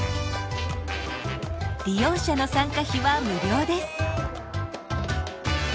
利用者の参加費は無料です。